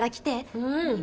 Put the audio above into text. うん。